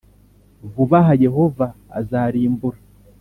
Vuba aha Yehova azarimbura